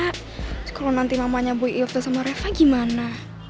terus kalau nanti mamanya boy off ed sama reva gimana